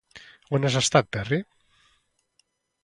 On has estat, Perry?